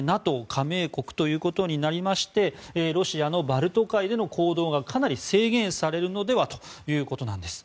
ＮＡＴＯ加盟国ということになりましてロシアのバルト海での行動がかなり制限されるのではということです。